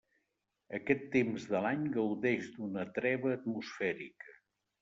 Aquest temps de l'any gaudeix d'una treva atmosfèrica.